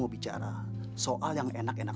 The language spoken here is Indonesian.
mau bicara soal yang enak enak